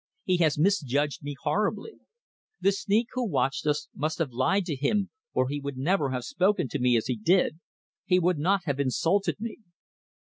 He has misjudged me horribly. The sneak who watched us must have lied to him, or he would never have spoken to me as he did he would not have insulted me.